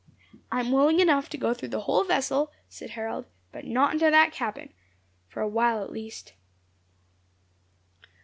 "I am willing enough to go through the whole vessel," said Harold, "but not into that cabin, for a while at least."